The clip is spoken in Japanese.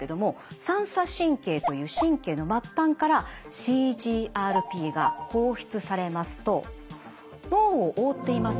三叉神経という神経の末端からＣＧＲＰが放出されますと脳を覆っています